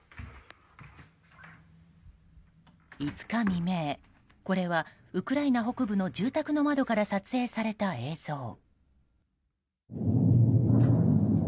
５日未明、これはウクライナ北部の住宅の窓から撮影された映像。